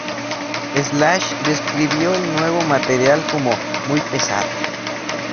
Slash describió el nuevo material como "muy pesado".